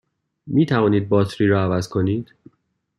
می توانید باتری را عوض کنید؟